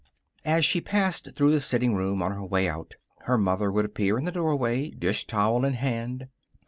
As she passed through the sitting room on her way out, her mother would appear in the doorway, dishtowel in hand.